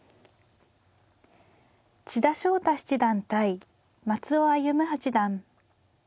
千田翔太七段対松尾歩八段。